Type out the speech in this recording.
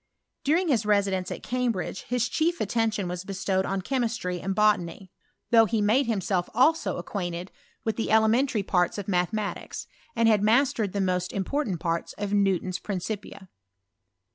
During his residence at Csma bridge his chief attention was bestowed on.cfaemistry andihotany ; though he made Jiimaelf also acquainteA 334 BisTOUT or chekistst. with the elementary parts of mathematics, and 1 mastered the most important parts of Newta Principia.